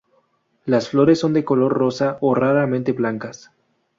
Las flores son de color rosa o raramente blancas.